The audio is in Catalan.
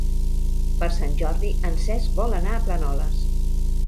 Per Sant Jordi en Cesc vol anar a Planoles.